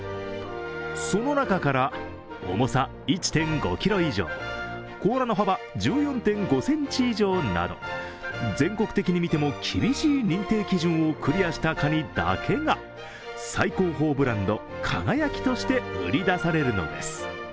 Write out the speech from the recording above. その中から、重さ１．５ｋｇ以上、甲羅の幅１４．５ｃｍ以上など全国的に見ても厳しい認定基準をクリアしたカニだけが最高峰ブランド、輝として売り出されるのです。